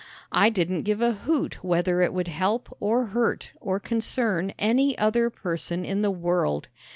I didn't give a hoot whether it would help or hurt or concern any other person in the world.